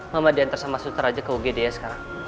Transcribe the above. mama diantar sama suter aja ke ugd ya sekarang